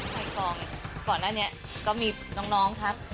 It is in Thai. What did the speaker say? ถ่ายทองก่อนหน้านี้ก็มีน้องทัก